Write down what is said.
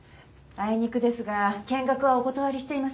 あいにくですが見学はお断りしています。